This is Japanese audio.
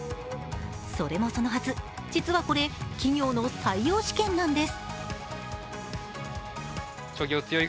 それもそのはず、実はこれ企業の採用試験なんです。